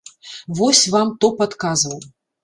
Вось вам топ адказаў.